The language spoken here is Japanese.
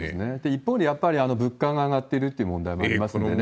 一方で、やっぱり物価が上がってるという問題もありますよね。